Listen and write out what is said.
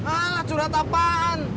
alah curhat apaan